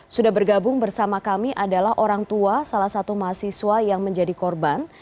sudah bergabung bersama kami adalah orang tua salah satu mahasiswa yang menjadi korban